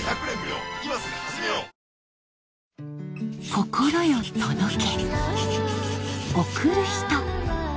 心よ届け